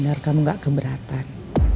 bener kamu gak keberatan